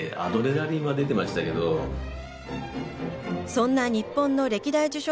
そんな日本の歴代受賞